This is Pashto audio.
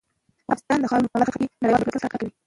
افغانستان د ښارونه په برخه کې نړیوالو بنسټونو سره کار کوي.